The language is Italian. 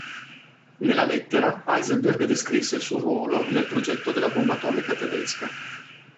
Nella lettera, Heisenberg descrisse il suo ruolo nel progetto della bomba atomica tedesca.